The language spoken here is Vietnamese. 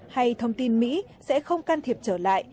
hay thông tin mỹ sẽ không can thiệp trở lại